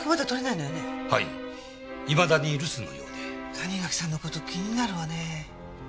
谷垣さんの事気になるわねえ。